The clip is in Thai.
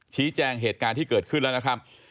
ชี้แจงเหตุการณ์ที่เกิดขึ้นแล้วนะครับ